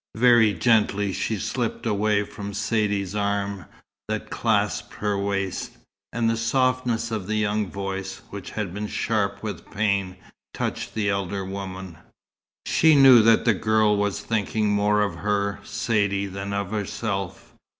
Very gently she slipped away from Saidee's arm that clasped her waist; and the softness of the young voice, which had been sharp with pain, touched the elder woman. She knew that the girl was thinking more of her, Saidee, than of herself.